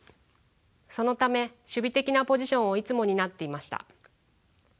そのため守備的なポジションをいつも担っていました。